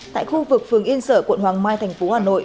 tại khu vực phường yên sở quận hoàng mai thành phố hà nội